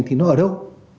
thì nó ở đâu